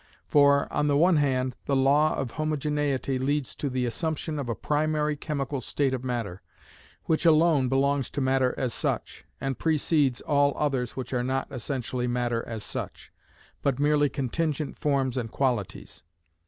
For, on the one hand, the law of homogeneity leads to the assumption of a primary chemical state of matter, which alone belongs to matter as such, and precedes all others which are not essentially matter as such, but merely contingent forms and qualities.